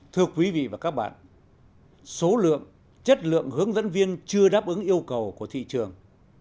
thưa quý vị và các bạn số lượng chất lượng hướng dẫn viên chưa đáp ứng yêu cầu của thị trường